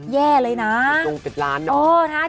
แย่เลยนะโอ้โหนะตรงกิจร้าน